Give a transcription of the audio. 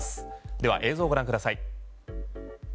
では映像をご覧ください。